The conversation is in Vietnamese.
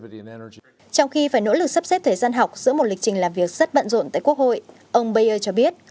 trong khi phải nỗ lực sắp xếp thời gian học giữa một lịch trình làm việc rất bận rộn tại quốc hội ông bayer cho biết